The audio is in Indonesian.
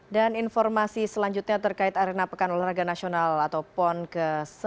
dan informasi selanjutnya terkait arena pekan olahraga nasional atau pon ke sembilan belas